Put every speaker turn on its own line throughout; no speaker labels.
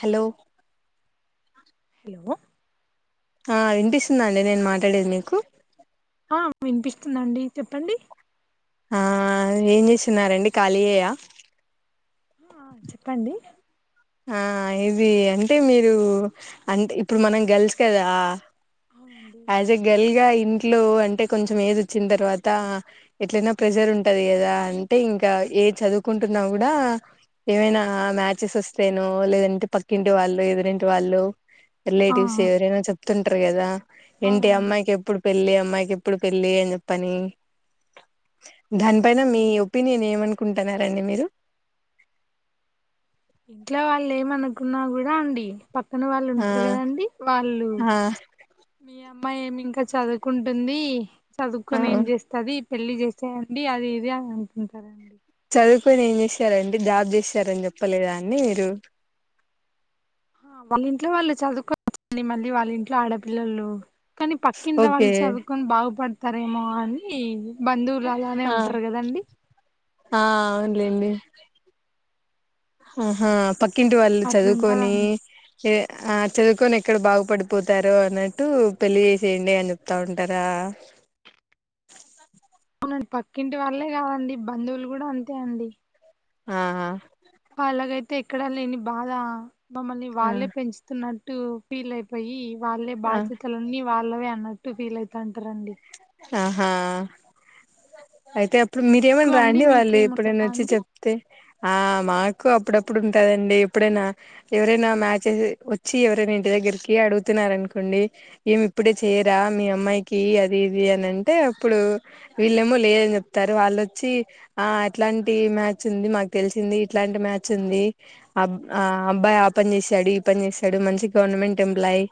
Hello
hello
ఆ వినిపిస్తుందా అండి నేను మాట్లాడేది మీకు
ఆ వినిపిస్తుందండి చెప్పండి
ఆ ఏం చేస్తున్నారండి ఖాళీయేయా
ఆ చెప్పండి
ఆ ఇది అంటే మీరు అంటే ఇప్పుడు మనం గర్ల్స్ కదా
అవునండి
ఆజ్ ఎ గర్ల్ గా ఇంట్లో అంటే కొంచెం ఏజ్ వచ్చిన తర్వాత ఎట్లైనా ప్రెజర్ ఉంటది కదా అంటే ఇంకా ఏ చదువుకుంటున్నా కూడా ఏమైనా మ్యాచెస్ వస్తేనో లేదంటే పక్కింటి వాళ్ళు ఎదురింటి వాళ్ళు
ఆ
రిలేటివ్స్ ఎవరైనా చెప్తుంటారు కదా ఇంటి
అవునండి
అమ్మాయికి ఎప్పుడు పెళ్లి అ అమ్మాయికి ఎప్పుడు పెళ్లి అని చెప్పని దానిపైన మీ
అవునండి
ఒపీనియన్ ఏమనుకో కుంటున్నారండి మీరు
ఇంట్లో వాళ్ళు ఏమనుకున్నా కూడా అండి పక్కన వాళ్ళు
ఆ
ఉంటారు కదండి వాళ్ళు
ఆ
అమ్మాయి ఏమి ఇంకా చదువుకుంటుంది
ఆ
చదువుకొని ఏం చేస్తది పెళ్లి చేసాయండి అది ఇది అని అంటారండి
చదువుకుని ఏం చేశారండి జాబ్ చేసారని చెప్పలేదా అండి మీరు
వాళ ఇంట్లో వాళ్ళు చదువుకో మళ్ళీ మళ్ళీ వాళ్ళ ఇంట్లో ఆడ పిల్లలు కానీ పక్కింట్లో
ఓకే
వాళ్ళు చదువుకొని బాగుపడు తరేమో అని బంధువులు అలానే
ఆ
ఉంటారు కదండి
ఆ అవున్లేండి ఉహూ పక్కింటి వాళ్ళు చదువుకొని
అట్లుంటదండి
ఏ ఆ చదువుకొని ఎక్కడ బాగుపడిపోతారు అన్నట్టు పెళ్లి చేసేయండి అని చెప్తా ఉంటారా
అవునండి పక్కింటి వాళ్లే కాదండి బంధువులు కూడా అంతే అండి
ఆ
వాళ్ళకైతే ఎక్కడా లేని బాధ మమ్మల్ని
ఆ
వాళ్ళే పెంచుతున్నా ట్టు ఫీల్ అయిపోయి వాళ్ళే
ఆ
బాధ్యతలన్నీ వాళ్ళవి అన్నట్టు ఫీల్ అయితంటారండి
ఆహా అయితే అప్పుడు
మీకు
మీరేమన్నా రా అండి వాళ్ళు ఎప్పుడైనా
మీకేముండదా
వచ్చి
అండి
చెప్తే ఆ మాకు అప్పుడప్పుడు ఉంటదండి ఎప్పుడైనా ఎవరైనా మ్యాచెస్ వచ్చి ఎవరైనా ఇంటి దగ్గరికి అడుగుతున్నార అనుకోండి ఏమి ఇప్పుడే చేయరా మీ అమ్మాయికి అ ఇ అనంటే అప్పుడు వీళ్ళేమో లేదని చెప్తారు వాళ్ళుొచ్చి ఆ అట్లాంటి మ్యాచ్ ఉంది మాకు తెలిసింది ఇట్లాంటి మ్యాచ్ ఉంది అబ్ ఆ అబ్బాయి ఆ పని చేసాడు ఈ పని చేసాడు మంచి గవర్నమెంట్ ఎంప్లాయ్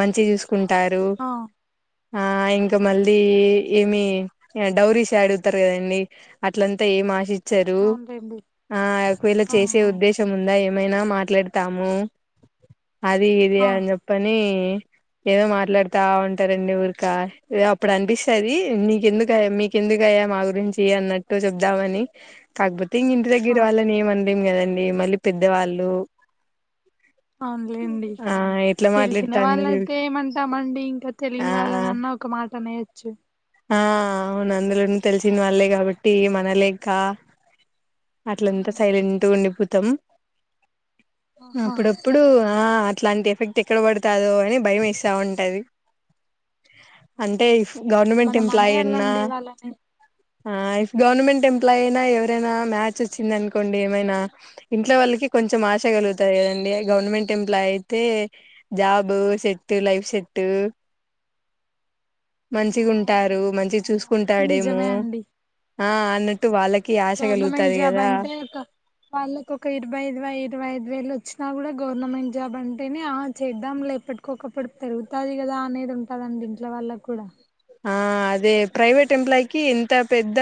మంచిగా చూసుకు కుంటారు
ఆ
ఆ ఇం
ఆ!
ఏ ఏమి డౌరీస్ అడుగుతారు కదండి అట్లంతా ఏం ఆశ చ్చారు
అవునులేండి
ఆ ఒక వేళ
ఆ
చేసే ఉద్దేశం ఉందా ఏమైనా మాట్లాడతాము అది ఇది
ఆ
అని చెప్పని ఏదో మాట్లాడుతా ఉంటారండి ఊరికా అప్పుడు అనిపిస్తది నీకెందుకు అయ్యా మీకెందుకు అయ్యా మా గురించి అన్నట్టు చెబుదామని కాకపోతే ఇంటి
ఆ ఆ!
దగ్గర వాళ్ళని ఏమ ేం కదండి మళ్ళీ పెద్దవాళ్ళు
అవునులేండి
ఆ ఎట్లా
తెలిసిన వాళ్ళ
మాట్లాడుతాంది చూడు
అయితే ఏమంటామండి ఇంకా
ఆ
తెలియని
ఆ
వాళ్ళనన్నా ఒక మాట ట్టనేచ్చు
ఆ అవును అందులో తెలిసిన వాళ్ళే కాబట్టి ఏమనలేక
ఆ!
అట్లంతా సైలెంట్గ ఉండి పో తం
ఆహా
అప్పుడప్పుడు ఆ ఇట్లాంటి ఎఫెక్ట్ ఎక్కడ పడుతందో అని భయం ఇేస్తా ఉంటది
ఆ!
అంటే గవర్నమెంట్
మనం
ఎంప్లాయీ అన్నా
అనేయాలండి వాళ్ళని
ఆ ఇఫ్ గవర్నమెంట్ ఎంప్లాయనా ఎవరేనా మ్యాచ్ చ్ వచ్చింది అనుకోండి ఏమైనా ఇంట్లో వాళ్ళకి కొంచెం ఆశగలుగుతాయి కదండి గవర్నమెంట్ ఎంప్లాయ్ అయితే జాబ్ సెట్ లైఫ్ సెట్
ఆ
మంచిగా ఉంటారు
అవునండి
మంచి
అవునవును అదైతే
చూసుకుంటాడేమో
నిజమే అండి
ఆ అన్నట్టు వాళ్ళకి కి ఆశ కాలు
జబ్ అంటే ఒక వాళ్ళకి ఒక ఇరవై ఇరవై ఐదు ఇరవై ఐదు వేలు వచ్చినా కూడా గవర్నమెంట్ జాబ్ అంటేనే ఆ చేద్దాం లే ఎప్పటికొకప్పుడు పెరుగుతది కదా అనేది ఉంటదండి ఇంట్లో వాళ్ళు కూడా
ఆ అదే ప్రైవేట్ ఎంప్లాయీకిి ఎంత పెద్ద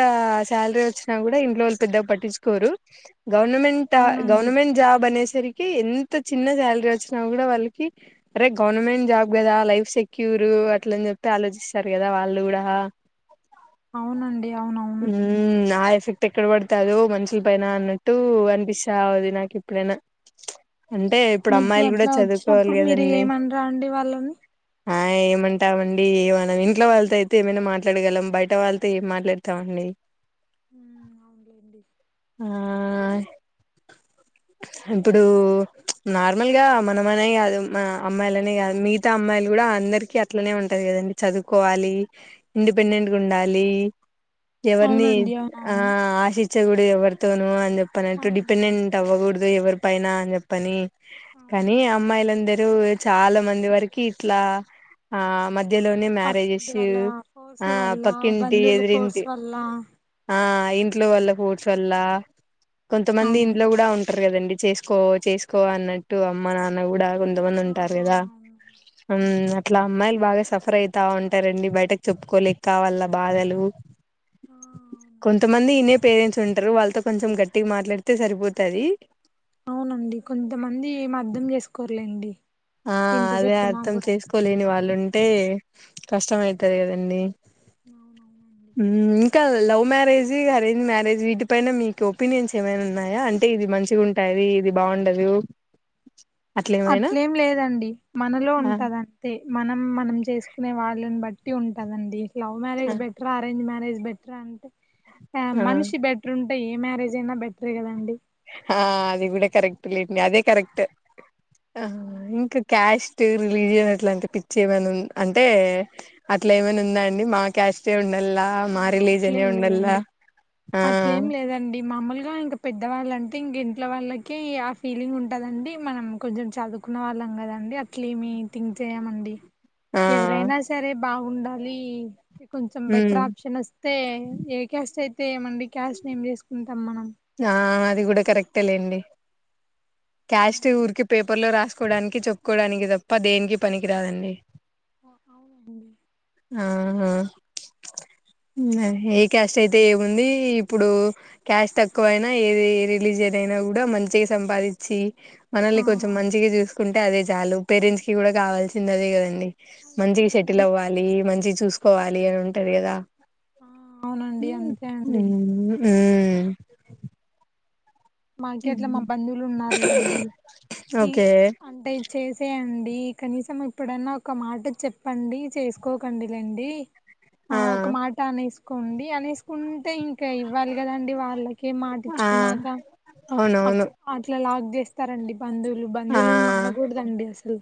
శాలరీ వచ్చినా కూడా ఇంట్లో వాళ్ళు పెద్దగా పట్టించుకోరు గవర్నమెంటా
అవునండి
గవర్నమెంట్ జాబ్ అనే సరికి ఎంత చిన్న శాలరీ వచ్చినా కూడా వాళ్ళకి అరే గవర్నమెంట్ జాబ్ కదా లైఫ్ సెక్యూర్ అట్లా అని చెప్పి ఆలోచి స్తారు కదా వాళ్ళు కూడా
అవునండి అవునవును
ఆసక్తి ఎక్కడ పడతదో మనుషుల పైన అన్నట్టు అనిపిస్తా అది నాకు ఇప్పుడైనా
మీకు అట్లా వచ్చినప్పుడు మీరు
కదండి
ఏం అనరాండి వాళ్ళని
ఆ ఏమంటామండి ఏమ మనం ఇంట్లో వాళ్తో ఐతే ఏమైనా మాట్లాడగలం బయట వాళ్తో ఏం మాట్లాడతామండి.
ఉమ్ ఔన్ లేండి.
ఆ ఇప్పుడు ప్చ్ నార్మల్గా మనమనే గాదు మ అమ్మాయిలనే గాదు మిగతా అమ్మాయిలు గుడా అందరికీ అట్లనే ఉంటది కదండి. చదువుకోవాలి ఇండిపెండెంట్గుడాలి. ఎవర్నీ
అవునండి
ఆ
అవునవును
ఆశి ఛ గూడదెవ్వర్తోను అని జెప్. పనెంటు
అవునండి
డిపెండెంట్ అవ్వగూడుద్. దొ ఎవ్వర్ పైన అన్ జెప్పని. కాని
అవునండి
అమ్మాయ్లందరూ వ్. చాలా మంది వరకి ఇట్ల ఆ మధ్యలో.
పక్కింటి వాళ్ళ ఫోర్స్ వల్ల
పక్కింటి
బంధువుల ఫోర్స్
ఎదిరింటి
వల్ల.
ఆ ఇంట్లో వాళ్ల ఫోర్స్ వల్ల. కొంతమంది
అవునండి
ఇంట్లో గూడా ఉం ట్్ర గదండి చేస్కో చేస్కో అన్నట్టు అమ్మ నాన్న గూడా.
ఆ
కొందుమందుంటార్ గదా
అవునవును
ఉమ్
అవును.
అట్ల అమ్మాయ్ల్. బాగా సఫ్రై తా ఉంటరండి బయటకు చెప్పుకోలేక వాళ్ళ బాధలు.
ఆ అవునండి
కొంతమంది ఇనే పేరెంట్స్. తుంట్రు వాళ్తో కొంచెం గట్టిగ్ మాట్లాడితే సరిపోతది.
ఔనండి కొంతమంది ఏమర్దం జేస్కోర్లేండి.
ఆ అదే అర్థం చేసుకోలేని వా. ళ్ళుంటే కష్టమైతది కదండి.
ఔనవునండి
ఉమ్ ఇంక లవ్ మ్యారేజీ అరేంజ్ మ్యారేజీ వీటిపైన మీకు ఒపీనియన్స్ ఏమైనున్నాయా అంటే ఇది మంచిగుంటాది ఇది బాగుండదు. అట్లేమైనా.
ఏం లేదండి మనలో
ఆ
ఉంటదంతే. మనం మనం చేసుకునే వాళ్ళన్ బట్టి ఉంటదండి. లవ్
ఆ
మ్యారేజ్ బెటరా అరేంజ్ మ్యా రేజ్ బెట్ర అంటే యా
ఆ
మన్షి బెట్రుం టే ఏ మ్యారేజైనా బెట్రే కదండి
ఆ అది గూడా కరెక్ట్ లేండి అదే కరెక్ట్. ఆ ఇంక క్యాష్ [unintelligible] రిలీజియన్ అట్లాంటి పిచ్చ్ ఏమైను అంటే అట్లేమైనుందా అండి మా క్యాస్టే ఉం. ఉండల్ల
ఆ,
మా రిలీజనే
అట్లేం
ఉండల్ల
లేదండి
ఆ.
ఇంకా పెద్దవాళ్ళ అంటే ఇంక ఇంట్లో వాళ్ళకి ఆ ఫీలింగ్ ఉంటదండి మనం కొంచెం చదువుకున్న వాళ్ళం కదండి అట్లే ఏమి థింక్ చేయమండి
ఆ
ఎవరైనా సరే బాగుండాలి కొంచెం
ఉమ్
బెటర్ ఆప్ నస్తే ఏ కాస్ యితే ఏమండి క్యాస్ట్ ని ఏం చేసుకుంటమ్
ఆ అది కూడా కరెక్టే లేండి క్యాస్ట్ ఊరికిే పేర్ పర్లో రాసుకోవడానికి చెప్పుకోవడానికి తప్ప దేనికి పనికి రాదండి
అవునండి
ఆ హా ఏ క్యాస్ట్ అయితే ఏముంది ఇప్పుడు క్యాస్ట్ తక్కువ ఎక్కువైనా ఏది ఏ రిలీజియన్ అయినా కూడా మంచిగా సంపాదించి మనల్ని కొంచెం మంచిగా చూసుకుంటే అదే చా చాలు పేరెంట్స్ కి కూడా కావాల్సిందదే కదండి
అదే
మంచిగ సెటిల్
కదండి
అవ్వాలి మంచిగా చూసు పోవాలి అని ఉంటాది కదా
ఆ అవునండి
ఉమ్
అంతే అండి
ఉమ్ ఉమ్
మాకు ఎట్లా మా బంధువులు ఉన్నారులేండి టీ
ఓకే
అంటే చేసేయం డ్ డి కనీసం ఇప్పుడన్నా ఒక మాట చెప్పండి చేసుకోకండి లేండి ఆ ఒక మాట అనేసు కొండి అనేసుకుంటే ఇంకా క ఇవ్వాలి కదండి వాళ్ళకే
ఆ
మాటిచ్చుకున్నాక అ ట్
అవునవును
అట్లా లాగ చేస్త్ స్తరండి బంధువులు
ఆ
బంధువులను నమ్మకూడదండి అసలు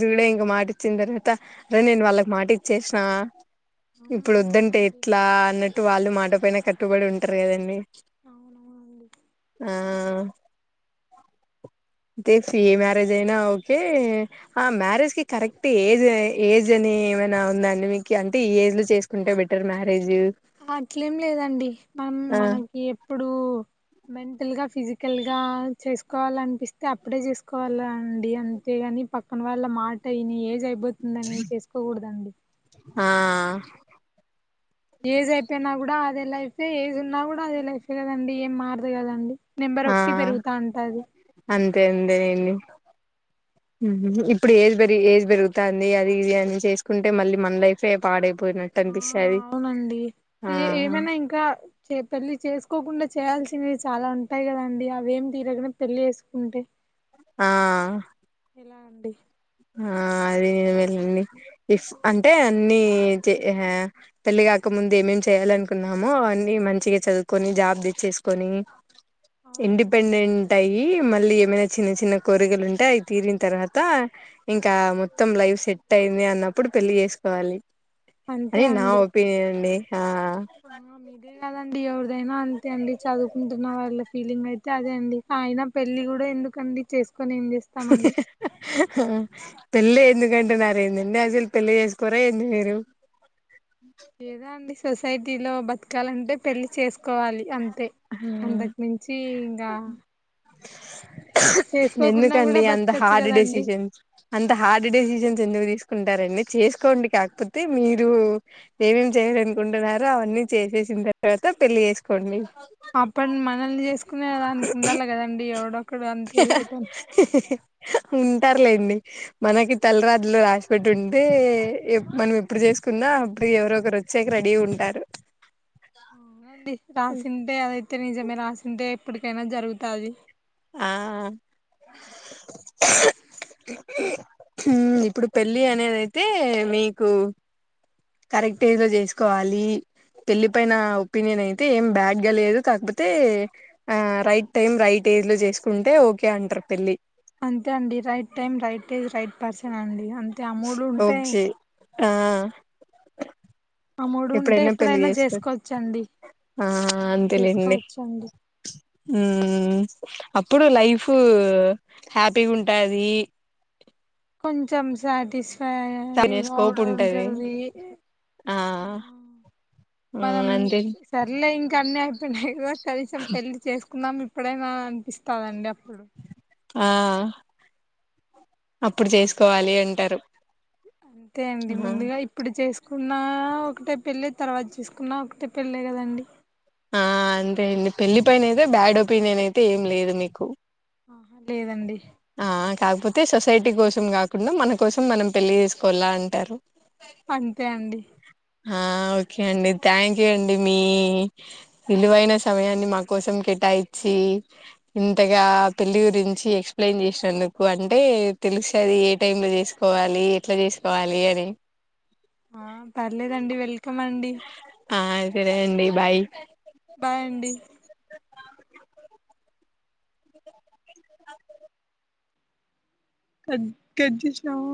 ఇన్ట్స్ ఇంక మాట ఇచ్చిన తర్వాత అరే నేను వాళ్ళకి మాట ఇచ్చేసినా ఇప్పుడు
మ్మ్
వద్దంటే
అవునండి
ఎట్లా అన్నట్టు వాళ్ళు మాట్ పైన కట్టుబడి ఉంటారు కదండి
అవునవునండి
ఆ తే ఫ్రీ మ్యారేజ్ అయినా ఓకే ఆ మ్యారేజ్ కి కరెక్ట్ ఏజ్ ఏజ్ అని ఏమైనా ఉందాండి మీకు అంటే ఈ ఏజ్ లో చేసుకుంటే బెటర్ మ్యారేజ్
అట్లేం లేదండి మనం
ఆ
మనకి ఇప్పుడు మెంటల్ గా ఫిజికల్ గా చేసుకోవాలనిపిస్తే అప్పుడే చేసుకోవాల అండి అంతేగాని పక్కన వాళ్ళ మాట యిని ఏజ్ అయిపో తుందని చేసుకోకూడదండి
ఆ
ఏజ్ అయిపోయినా కూడా అదే లైఫే ఏజ్ ఉన్నా కూడా అదే లైఫ కదండి ఏం మార్దు కదండి నెంబర్
ఆ
ఒకటి పెరుగుతా ఉంటాది
అంతే లెండి ఇప్పుడు ఏజ్ ఏజ్ పెరుగుతుంది అది ఇది అని చేసుకుంటే మళ్ళీ మన లైఫే పాడ
ఆ అవునండి
ఆ
ఏ ఏమైనా ఇంకా తల్లి చేసుకోకుండా చేయాల్సినవి చాలా ఉంటాయి కదాండి అవి ఏమి తీరకనే పెళ్లి చేసుకుంటే
ఆ
ఎలా అండి
ఆ అద నే వెళ్ళండి ఇఫ్ అంటే అన్ని పెళ్లి కాక ముందు ఏమేమి చేయాలనుకున్నామో అన్ని మంచిగా చదువుకొని జాబ్ తెచ్చేసుకొని
అవునండి
ఇండిపెండెంట్ అయ్యి మళ్ళీ ఏమైనా చిన్న చిన్న కోరికలు ఉంటేయి అవి తీరిన్ తర్వాత ఇంకా మొత్తం లైఫ్ సెట్ అయింది అన్నప్పుడు పెళ్లి చేసుకోవాలి అది నా ఒపీనియన్ అండి ఆ
అమ్మ మీదే కదండి ఎదైనా అంతే అండి చదువుకుంటున్న వాళ్ళ ఫీలింగ్ అయితే అదే అండి ఆయన పెళ్లి కూడ ఎందుకండి చే కని ఏం చేస్తామండి
పెళ్లి ఎందుకంటేన్నరేందండి అసలు పెళ్లి చేసుకోరా ఏంది మీరు
ఏధో అండి సొసైటీలో బతకాలంటే పెళ్లి చేసుకోవాలి అంతే అంతే అంతకు మించి ఇంగ
ఆ ఎందుకండి
కూడా
అంత
బతకచ్చు
హార్డ్
కదండి
డెసిషన్స్ అంత హార్డ్ డెసిషన్స్ ఎందుకు తీసుకు కుంటారండి చేసుకోండి కాకపోతే మీరు ఏమేం చేయ్యాలనుకుంటున్నారో అవన్నీ చేసేసిన తర్వాత పెళ్లి చేసుకోండి
అప్పటిని మనల్ని చేసుకునే అనునికి ఉండాలి కదండి ఎవడొక్కడు అంతేదైటం
ఉంటారులేండి మనకి తలరాత లో రాసిపెట్టు ఉంటే మనం ఎప్పుడు చేసుకున్నా అప్పుడు ఎవరు ఒకరు వచ్చాక రెడీ ఉంటారు
అవుండి రాసింటే అదైతే ఇత్త నిజమే రాసింటే ఎప్పటికైనా జరుగుతుది
ఆ ఇప్పుడు పెళ్ళి అనేది అయితే మీకు కరెక్ట్ ఏజ్ లో చేసుకోవాలి పెళ్ళి పైన ఒపీనియన్ అయితే ఏం బ్యాడ్గా లేదు కాకపోతే ఆ రైట్ టైం రైట్ ఏజ్ లో చేసుకుంటే ఓకే అంటారు పెళ్ళి
అంతే అండి right time right day right person అండి అే
ఒకి ఆ
ఆ మూడు ఉంటే
పెళ్లి
ఎప్పుడైనా
చేసుకోవచ్చు
చేసుకోవచ్చండి ఆ చేసుకోవచ్చండి
హు మ్ అప్పుడు లైఫ్ హ్యాపీగా ఉంటాది
కొంచెం సాటిస్
స్కోప్ ఉంటది ఆ హు అంతే
కన్ని అయిపోయినయ్ కనీసం పెళ్లి చేసుకున్నాాం ఇప్ ప్పుడైనా అనిపిస్తందండి అప్పుడు
ఆ అప్పుడు చేసుకోవాలి అంటారు
అంతే అండి ముందుగా ఇప్పుడు చేసు కున్న ఒకటే పెళ్ళి తర్వాత చేసుకున్న ఒకటే పెళ్ళే కదండి
ఆ అంతే అండి పెళ్లిి పైన అయితే బ్యాడ్ ఒపీనియన్ అయితే ఏం లేదు మీకు
ఆా లేదండి
ఆ కాకపోతే సొసైటీ కోసం కాకుండా మన కోసం మనం పెళ్లి చేసుకోవాల అంటారు
అంతే అండి
ఆ ఓకే అండి థ్యాంక్ యూ అండి మీ విలువైన సమయాన్ని మా కోసం కేటాయించిి ఇంతగా పెళ్ళి గురించి ఎక్స్ప్లెయిన్ చేసినానుందుకు అంటే తెలుస్తది ఏ టైంలో చేసుకోవాలి ఎట్లా చేసుకోవాలి అని
లేదండి వెల్కమ్ అండి
ఆ సరే అండి బాయ్
బాయ్ అండి కద్ కట్ చేసినవా